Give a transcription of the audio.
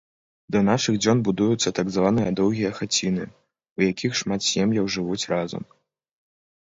Да нашых дзён будуюцца так званыя доўгія хаціны, у якіх шмат сем'яў жывуць разам.